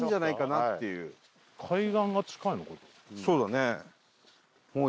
そうだね。